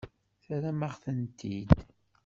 Terram-aɣ-tent-id.